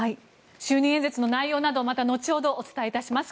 就任演説の内容などまた後ほどお伝えします。